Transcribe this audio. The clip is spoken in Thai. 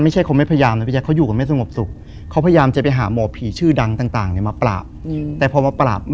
มันพยายามไปหาหาหมอผีชื่อดังมาปราบ